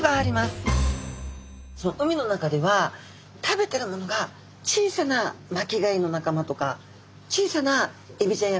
海の中では食べてるものが小さな巻き貝の仲間とか小さなエビちゃんやカニちゃん